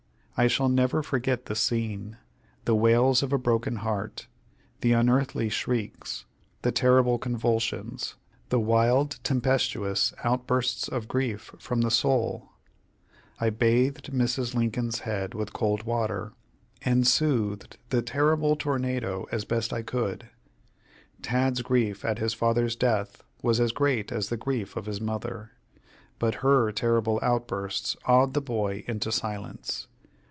I shall never forget the scene the wails of a broken heart, the unearthly shrieks, the terrible convulsions, the wild, tempestuous outbursts of grief from the soul. I bathed Mrs. Lincoln's head with cold water, and soothed the terrible tornado as best I could. Tad's grief at his father's death was as great as the grief of his mother, but her terrible outbursts awed the boy into silence.